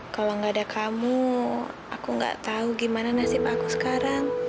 kalau gak ada kamu aku gak tau gimana nasib aku sekarang